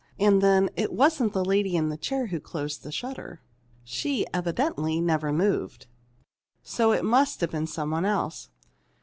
And then, it wasn't the lady in the chair who closed the shutter. She evidently never moved. So it must have been some one else."